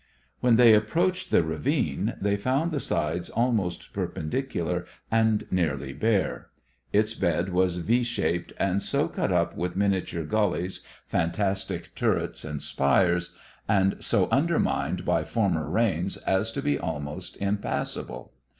When they approached the ravine, they found the sides almost perpendicular and nearly bare. Its bed was V shaped, and so cut up with miniature gullies, fantastic turrets and spires, and so undermined by former rains as to be almost impassable.